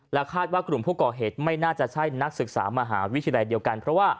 คาดว่ากลุ่มผู้ก่อเหตุไม่น่าจะใช่นักศึกษามหาวิทยาลัยเดียวกันเพราะว่า